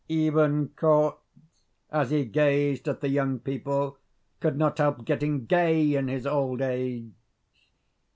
Even Korzh as he gazed at the young people could not help getting gay in his old age.